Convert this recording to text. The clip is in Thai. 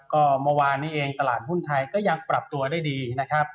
ก็เมื่อวานนี้เองตลาดหุ้นไทยก็ยังปรับตัวได้ดีนะครับ